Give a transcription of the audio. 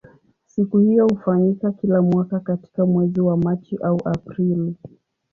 Siku hiyo hufanyika kila mwaka katika mwezi wa Machi au Aprili.